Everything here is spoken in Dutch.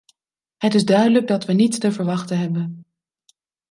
Het is duidelijk dat we niets te verwachten hebben.